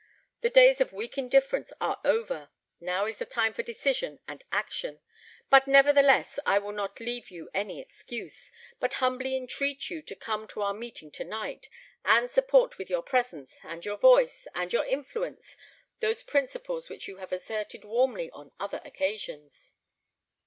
The days of weak indifference are over. Now is the time for decision and action; but nevertheless, I will not leave you any excuse, but humbly entreat you to come to our meeting to night, and support with your presence, and your voice, and your influence, those principles which you have asserted warmly on other occasions."